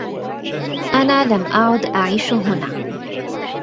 أنا لم أعد أعيش هنا.